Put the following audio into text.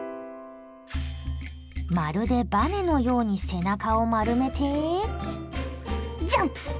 まるでバネのように背中を丸めてジャンプ！